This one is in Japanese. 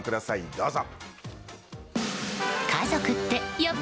どうぞ。